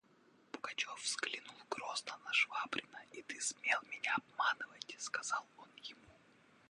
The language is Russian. Пугачев взглянул грозно на Швабрина: «И ты смел меня обманывать! – сказал он ему.